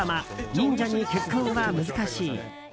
「忍者に結婚は難しい」。